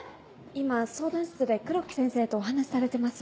今相談室で黒木先生とお話されてます。